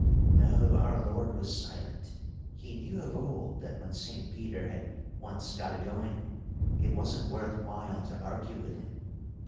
"No, our Lord was silent. He knew of old that when Saint Peter had once got a going, it wasn't worth while to argue with him.